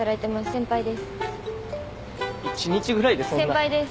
先輩です。